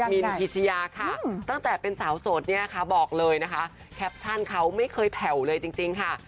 มินพิชยาค่ะตั้งแต่เป็นสาวโสดเนี่ยนะคะบอกเลยนะคะแคปชั่นเขาไม่เคยแผ่วเลยจริงค่ะ